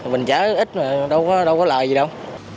mình trở ít mà đâu có lợi gì đâu